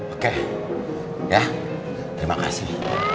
oke ya terima kasih